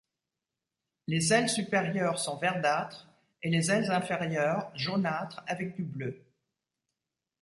Les ailes supérieures sont verdâtres et les ailes inférieures jaunâtres avec du bleu.